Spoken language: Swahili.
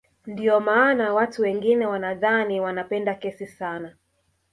Ndiyo maana watu wengine wanadhani wanapenda kesi sana